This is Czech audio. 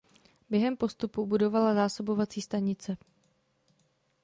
Během postupu budovala zásobovací stanice.